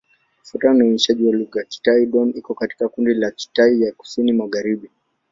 Kufuatana na uainishaji wa lugha, Kitai-Dón iko katika kundi la Kitai ya Kusini-Magharibi.